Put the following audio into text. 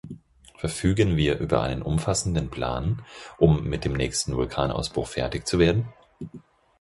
Verfügen wir über einen umfassenden Plan, um mit dem nächsten Vulkanausbruch fertig zu werden?